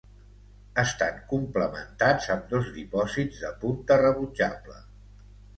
Estan complementats amb dos dipòsits de punta rebutjable.